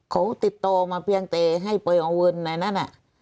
เขาติดต่อมาเพียงแต่ให้ไปเอาเงินในนั้น